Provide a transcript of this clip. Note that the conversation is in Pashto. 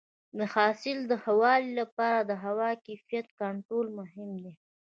د حاصل د ښه والي لپاره د هوا کیفیت کنټرول مهم دی.